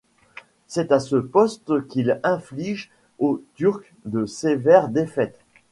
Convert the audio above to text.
C'est à ce poste qu'il inflige aux Turcs de sévères défaites.